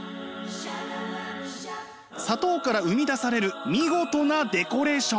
砂糖から生み出される見事なデコレーション！